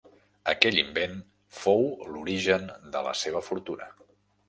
Aquell invent fou l'origen de la seva fortuna.